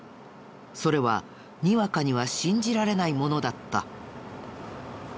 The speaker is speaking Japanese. それはにわかには信じられないものだった。